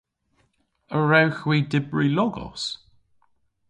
A wrewgh hwi dybri logos?